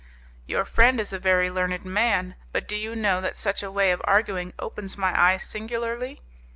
"Your friend is a very learned man. But do you know that such a way of arguing opens my eyes singularly?